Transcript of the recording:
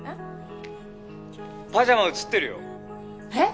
パジャマ写ってるよえっ！？